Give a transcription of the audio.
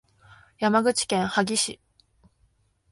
山口県萩市